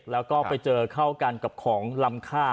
แล้วก็ไปเจอเข้ากันกับของลำค่า